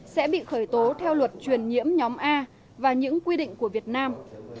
sẽ bị khởi tố theo luật truyền nhiễm nhóm a và những quy định của việt nam